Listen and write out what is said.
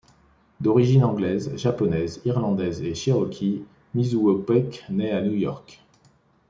D'origine anglaise, japonaise, irlandaise et cherokee, Mizuo Peck naît à New York.